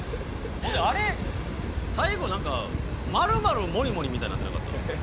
ほんであれ最後なんかマルマルモリモリみたいになってなかった？